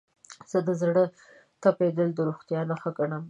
زه د زړه تپیدل د روغتیا نښه ګڼم.